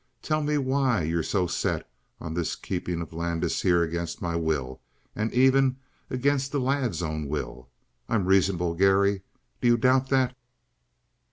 Tell me why you're so set on this keeping of Landis here against my will and even against the lad's own will? I'm reasonable, Garry. Do you doubt that?"